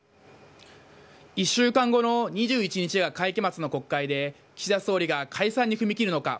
１週間後の２１日が会期末の国会で岸田総理が解散に踏み切るのか。